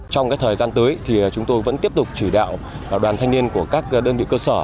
trong thời gian tới thì chúng tôi vẫn tiếp tục chỉ đạo đoàn thanh niên của các đơn vị cơ sở